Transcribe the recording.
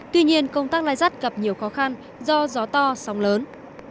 tuy nhiên công tác lai dắt gặp nhiều khó khăn do gió to sóng lớn